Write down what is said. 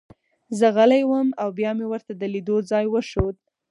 زه غلی وم او بیا مې ورته د لیدو ځای وښود